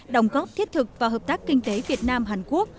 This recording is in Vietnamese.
đồng góp thiết thực và hợp tác kinh tế việt nam hàn quốc